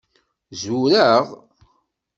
Zureɣ?